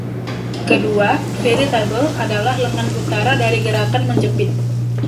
Kedua, "Veritable" adalah lengan utara dari gerakan menjepit.